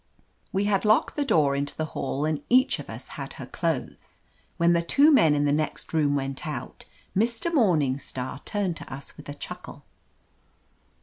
We had locked the door into the hall and each of us had her clothes. When the two men in the next room went out Mr. Morning Star turned to us with a chuckle.